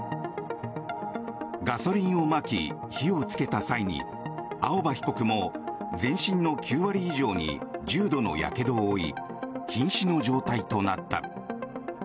ガソリンをまき、火をつけた際に青葉被告も全身の９割以上に重度のやけどを負いひん死の状態となった。